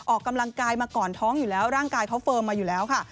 ออกกำลังกายมาก่อนท้องอยู่แล้วร่างกายเขาเฟิร์มมาอยู่แล้วค่ะ